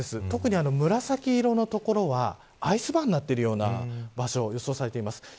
特に紫色の所はアイスバーになっているような場所を予想されています。